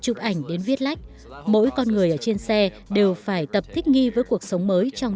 chụp ảnh đến viết lách mỗi con người ở trên xe đều phải tập thích nghi với cuộc sống mới trong